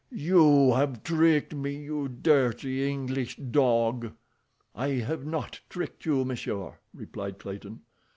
You have tricked me, you dirty English dog." "I have not tricked you, monsieur," replied Clayton.